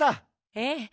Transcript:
ええ。